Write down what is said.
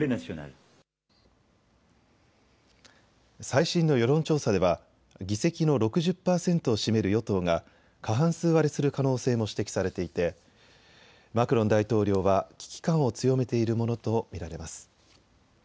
最新の世論調査では議席の６０％を占める与党が過半数割れする可能性も指摘されていてマクロン大統領は危機感を強めているものと見られます。